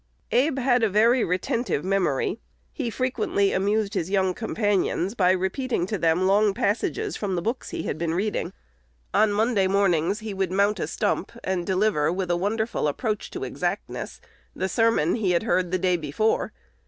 Abe had a very retentive memory. He frequently amused his young companions by repeating to them long passages from the books he had been reading. On Monday mornings he would mount a stump, and deliver, with a wonderful approach to exactness, the sermon he had heard the day before.